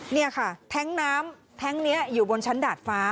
นี่ค่ะแท้งน้ำแท้งนี้อยู่บนชั้นดาดฟ้า